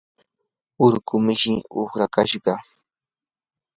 urqu mishii uqrakashqa.